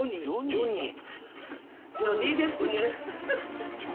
ジョニー。